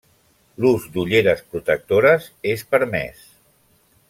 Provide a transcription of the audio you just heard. L'ús d'ulleres protectores és permès.